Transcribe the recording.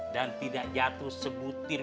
dan tidak jatuh sebutir